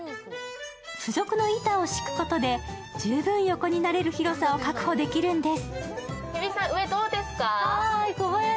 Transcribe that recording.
付属の板を敷くことで十分横になれる広さを確保できるんです。